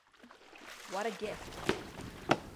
What a gift.